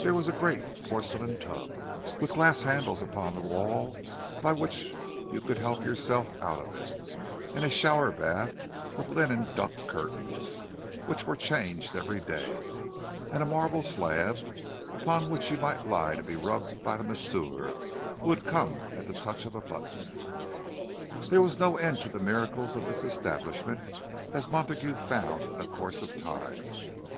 There was a great porcelain tub, with glass handles upon the wall by which you could help yourself out of it, and a shower bath with linen duck curtains, which were changed every day; and a marble slab upon which you might lie to be rubbed by the masseur who would come at the touch of a button. There was no end to the miracles of this establishment, as Montague found in the course of time.